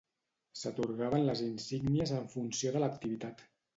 S'atorgaven les insígnies en funció de l'activitat.